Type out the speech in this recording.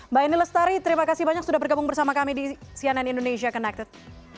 mbak eni lestari terima kasih banyak sudah bergabung bersama kami di cnn indonesia connected